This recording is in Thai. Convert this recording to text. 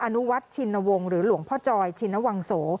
อนุวัฒน์ชินวงศ์หรือหลวงพ่อจอยชินวังโส